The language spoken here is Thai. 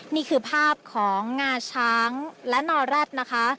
นี่คือภาพของงาช้างและนอแร็ดนะคะ